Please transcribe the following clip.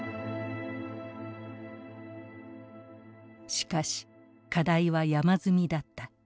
しかし課題は山積みだった。